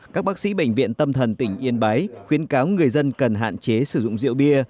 các bác sĩ bệnh viện tâm thần tỉnh yên bái khuyến cáo người dân cần hạn chế sử dụng rượu bia